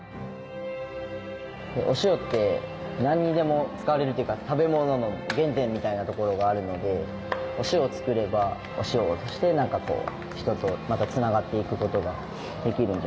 お塩ってなんにでも使われるというか食べ物の原点みたいなところがあるのでお塩をつくればお塩を通してなんかこう人とまた繋がっていく事ができるんじゃないかなと思って。